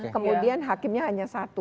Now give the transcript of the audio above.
kemudian hakimnya hanya satu